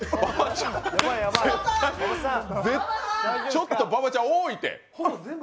ちょっと馬場ちゃん多いて。